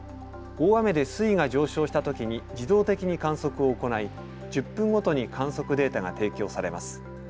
大雨で水位が上昇したときに自動的に観測を行い、１０分ごとに観測データが提供されます。